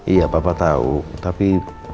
iya papa tau tapi